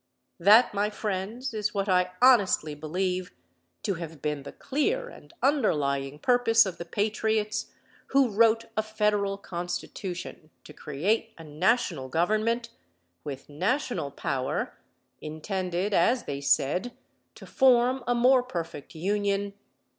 That, my friends, is what I honestly believe to have been the clear and underlying purpose of the patriots who wrote a federal constitution to create a national government with national power, intended as they said, "to form a more perfect union.